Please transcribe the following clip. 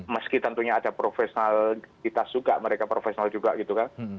meski tentunya ada profesionalitas juga mereka profesional juga gitu kan